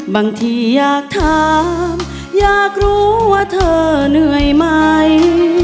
บางทีอยากถามอยากรู้ว่าเธอเหนื่อยไหม